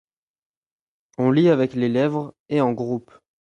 On lit avec les lèvres et en groupe.